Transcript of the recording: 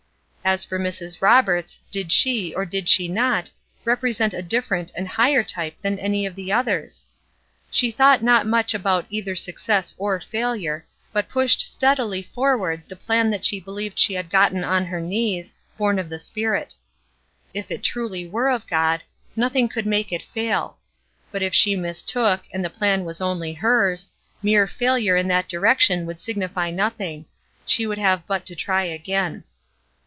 As for Mrs. Roberts, did she, or did she not, represent a different and higher type than any of the others? She thought not much about either success or failure, but pushed steadily forward the plan that she believed she had gotten on her knees, born of the Spirit. If it really were of God, nothing could make it fail; but if she mistook, and the plan was only hers, mere failure in that direction would signify nothing; she would have but to try again.